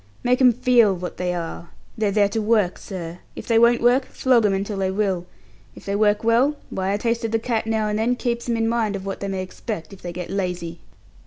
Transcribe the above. Make 'em feel what they are. They're there to work, sir. If they won't work, flog 'em until they will. If they work well why a taste of the cat now and then keeps 'em in mind of what they may expect if they get lazy."